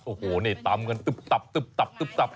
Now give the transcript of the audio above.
โอโหนี่ตามกันตุบตับ